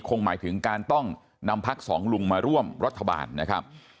หมายถึงการต้องนำพักสองลุงมาร่วมรัฐบาลนะครับ